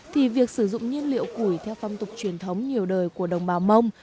thì việc sử dụng nhiên liệu củi theo phong tục truyền thống nhiều đời của đồng bào mông